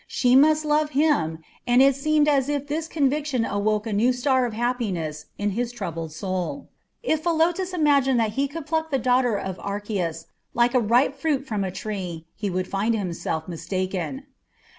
She must love him, and it seemed as if this conviction awoke a new star of happiness in his troubled soul. If Philotas imagined that he could pluck the daughter of Archias like a ripe fruit from a tree, he would find himself mistaken.